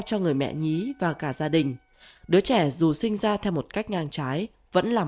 cho người mẹ nhí và cả gia đình đứa trẻ dù sinh ra theo một cách ngang trái vẫn làm